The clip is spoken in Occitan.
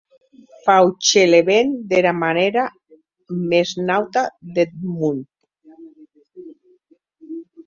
Fauchelevent dera manèra mès naturau deth mon.